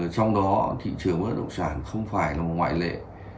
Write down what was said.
trong đó thị trường bất động sản không phải là một ngoại lệ